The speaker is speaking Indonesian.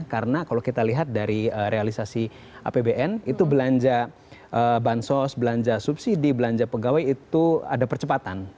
karena kalau kita lihat dari realisasi apbn itu belanja bansos belanja subsidi belanja pegawai itu ada percepatan